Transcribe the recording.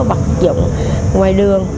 bật dụng ngoài đường